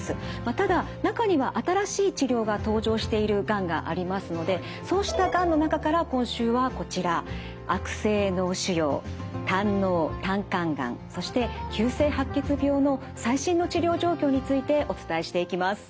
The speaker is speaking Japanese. ただ中には新しい治療が登場しているがんがありますのでそうしたがんの中から今週はこちらの最新の治療状況についてお伝えしていきます。